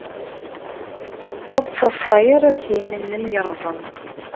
Ur ttadṣa ara s yimi-nnem yerẓem.